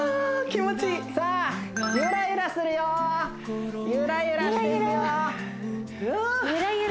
気持ちいいさあゆらゆらするよゆらゆらしていくよ